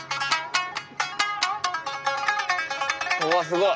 うわすごい！